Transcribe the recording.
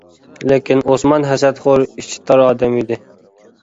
لېكىن ئوسمان ھەسەتخور، ئىچى تار ئادەم ئىدى.